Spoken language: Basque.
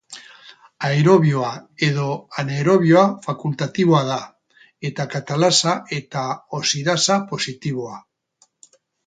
Aerobioa edo anaerobio fakultatiboa da, eta katalasa eta oxidasa positiboa.